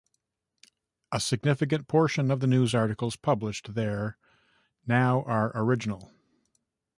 A significant portion of the news articles published there now are original.